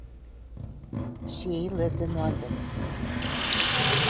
She lived in London.